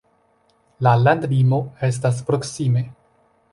La landlimo estas proksime.